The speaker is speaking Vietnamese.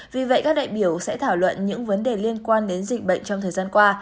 vì vậy các đại biểu sẽ thảo luận những vấn đề liên quan đến dịch bệnh trong thời gian qua